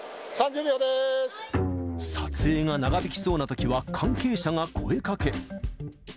撮影が長引きそうなときは、関係者が声かけ。